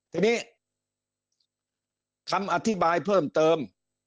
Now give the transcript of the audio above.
ทีนี้คำอธิบายเพิ่มเติม